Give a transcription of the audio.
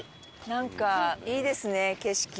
なんかいいですね景色。